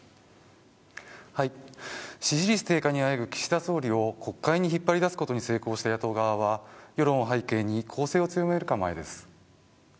支持率低下にあえぐ岸田総理を国会に引っ張り出すことに成功した野党は世論を背景に攻勢を強める構えです。